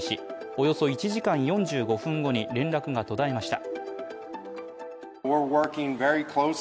およそ１時間４５分後に連絡が途絶えました。